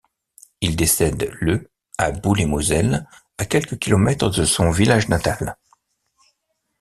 Il décède le à Boulay-Moselle, à quelques kilomètres de son village natal.